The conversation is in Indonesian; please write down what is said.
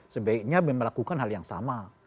sebaiknya melakukan hal yang sama